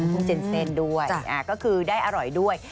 กุ้งเจนเซ่นด้วยก็คือได้อร่อยด้วย